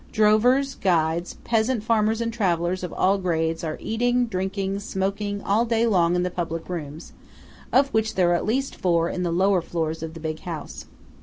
Drovers, guides, peasant farmers and travellers of all grades are eating, drinking, smoking, all day long in the public rooms, of which there are at least four in the lower floors of the big house.